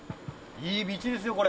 いい道ですよ、これ。